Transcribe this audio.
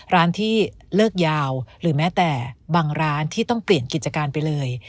ร้านที่เลิกยาวหรือแม้แต่บางร้านที่ต้องเปลี่ยนกิจการไปเลย